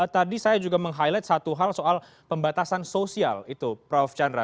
tadi saya juga meng highlight satu hal soal pembatasan sosial itu prof chandra